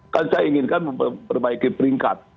kan saya inginkan memperbaiki peringkat